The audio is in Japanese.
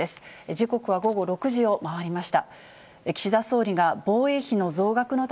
時刻は午後６時を回りました。